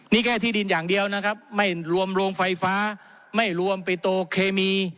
นี่แค่ที่ดินอย่างเดียวนะครับไม่รวมโรงไฟฟ้าไม่รวมปิโตเคมี